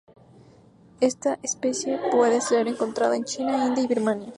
Esta especie puede ser encontrada en China, India y Birmania.